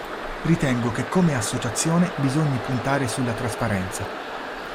Ritengo che come associazione bisogni puntare sulla trasparenza.